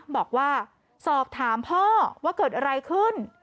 บอกว่าสอบถามพ่อว่าเกิดอะไรขึ้น